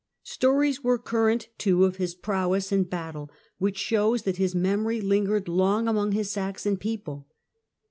Stories were current, too, of his prowess in battle, which show that his memory lingered long among his Saxon people.